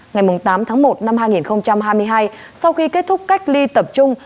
ngày tám tháng một năm hai nghìn hai mươi hai sau khi kết thúc cách ly tập trung